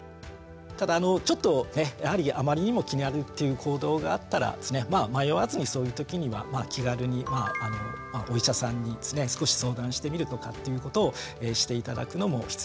ただあのちょっとねあまりにも気になるっていう行動があったら迷わずにそういう時には気軽にお医者さんに少し相談してみるとかっていうことをして頂くのも必要かなとは思います。